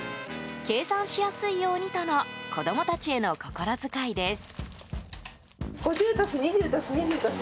計算しやすいようにとの子供たちへの心遣いです。